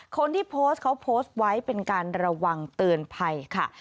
คนที่โพสต์เขาโพสต์ไว้เป็นการระวังเตือนภัยค่ะ